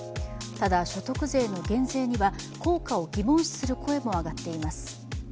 ただ、所得税の減税には効果を疑問視する声も上がっています。